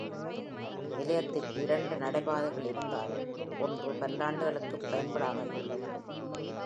நிலையத்திற்கு இரண்டு நடைபாதைகள் இருந்தாலும் ஒன்று பல்லாண்டுகளுக்குப் பயன்படாமல் உள்ளன.